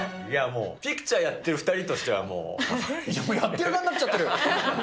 ピクチャーズやってる２人とやってる側になっちゃってる。